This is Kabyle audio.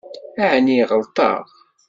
Ɛni ɣelṭeɣ?